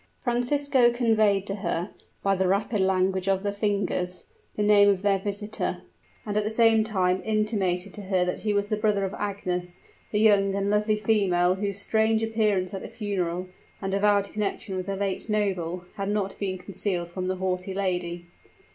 Francisco conveyed to her, by the rapid language of the fingers, the name of their visitor, and at the same time intimated to her that he was the brother of Agnes, the young and lovely female whose strange appearance at the funeral, and avowed connection with the late noble, had not been concealed from the haughty lady.